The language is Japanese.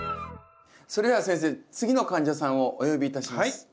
それでは先生次の患者さんをお呼びいたします。